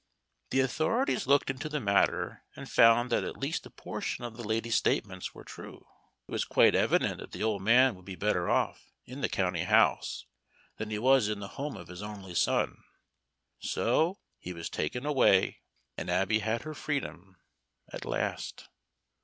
The authorities looked into the matter, and found that at least a portion of the lady's statements were true. It was quite evident that the old man would be better off in the County House than he was in the home of his only son. So he was taken away, and Abby had her freedom at last.